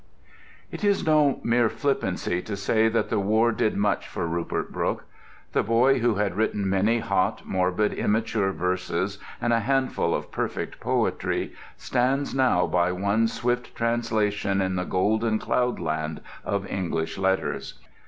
It is no mere flippancy to say that the War did much for Rupert Brooke. The boy who had written many hot, morbid, immature verses and a handful of perfect poetry, stands now by one swift translation in the golden cloudland of English letters.